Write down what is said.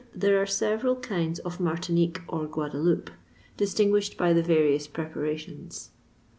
There are several kinds of Martinique or Guadaloupe, distinguished by the various preparations.